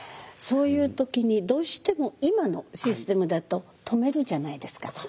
そういう時にどうしても今のシステムだと止めるじゃないですか。